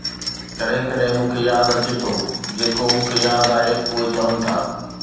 ڪڏهن ڪڏهن مون کي ياد اچي ٿو جيڪو مون کي ياد آهي، 'اهي چون ٿا